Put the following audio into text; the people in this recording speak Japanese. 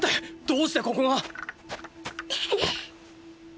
どうしてここがーー。